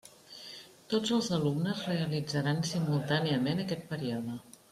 Tots els alumnes realitzaran simultàniament aquest període.